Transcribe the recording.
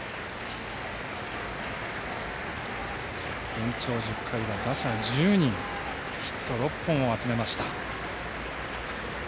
延長１０回で、打者１０人ヒット６本を集めました。